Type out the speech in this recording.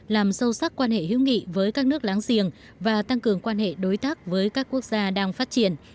làm sâu sắc quan hệ hữu nghị với các nước láng giềng và tăng cường quan hệ đối tác với các quốc gia đang phát triển